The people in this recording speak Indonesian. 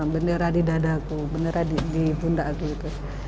beneran di dada aku beneran di bunda aku itu